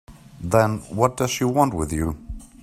Then what does she want with you?